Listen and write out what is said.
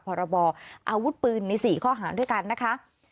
พรบออาวุธปืนใน๔ข้อหาด้วยกันนะคะ